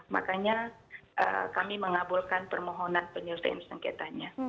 makanya kami mengabulkan permohonan penyelesaian sengketanya